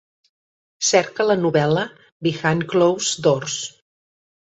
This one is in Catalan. Cerca la novel·la Behind closed doors